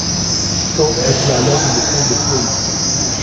Caen était alors une école de poésie.